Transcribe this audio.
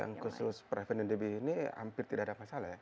yang khusus prevenen db ini hampir tidak ada masalah ya